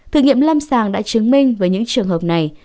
thử nghiệm lâm sàng đã chứng minh với những trường hợp này